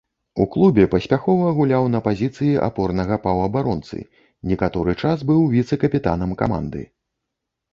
У клубе паспяхова гуляў на пазіцыі апорнага паўабаронцы, некаторы час быў віцэ-капітанам каманды.